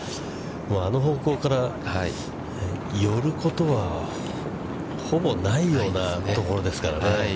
あの方向から寄ることはほぼないようなところですからね。